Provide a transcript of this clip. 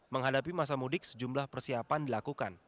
menghadapi masa mudik sejumlah persiapan dilakukan